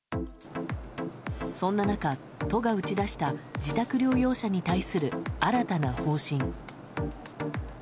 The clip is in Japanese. そんな中、都が打ち出した自宅療養者に対する新たな方針。